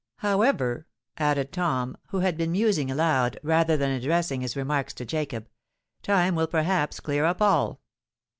However," added Tom, who had been musing aloud, rather than addressing his remarks to Jacob, "time will perhaps clear up all."